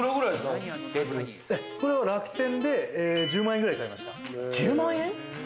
これは楽天で１０万円くらいで買いました。